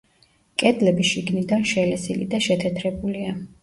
კედლები შიგნიდან შელესილი და შეთეთრებულია.